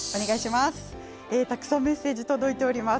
たくさんメッセージ届いています。